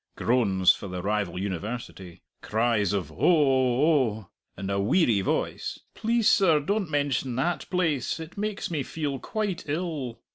(Groans for the rival University, cries of "Oh oh oh!" and a weary voice, "Please, sir, don't mention that place; it makes me feel quite ill.")